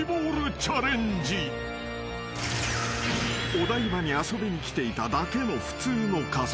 ［お台場に遊びに来ていただけの普通の家族］